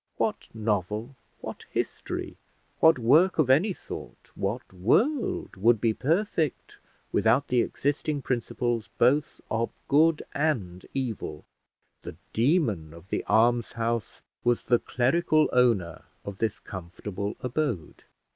What novel, what history, what work of any sort, what world, would be perfect without existing principles both of good and evil? The demon of "The Almshouse" was the clerical owner of this comfortable abode.